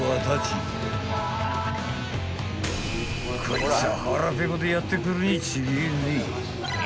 ［こいつは腹ぺこでやって来るに違えねえ］